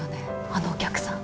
あのお客さん。